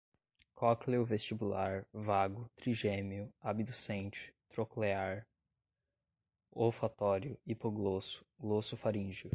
cócleo-vestibular, vago, trigêmeo, abducente, troclear, olfatório, hipoglosso, glossofaríngeo